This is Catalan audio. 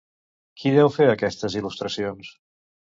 Qui deu fer aquestes il·lustracions?